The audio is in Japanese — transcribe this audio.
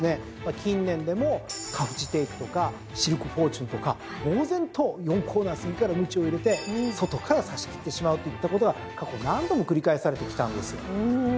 近年でもカフジテイクとかシルクフォーチュンとか猛然と４コーナー過ぎからむちを入れて外から差し切ってしまうといったことが過去何度も繰り返されてきたんですよ。